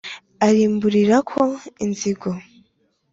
arimburirako inzigo